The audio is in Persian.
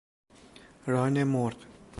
ران مرغ